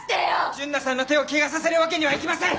純奈さんの手を汚させるわけにはいきません！